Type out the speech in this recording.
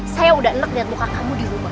saya udah enek liat muka kamu di rumah